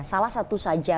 salah satu saja